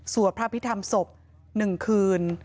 สวดพระพิธรรมศพ๑คืน